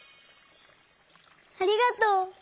ありがとう！